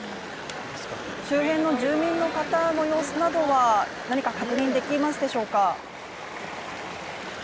周辺の住民の方の様子などは何か確認できますでしょうか？